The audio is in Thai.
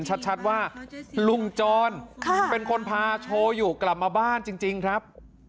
ชัดว่าลุงจรเป็นคนพาโชว์อยู่กลับมาบ้านจริงครับ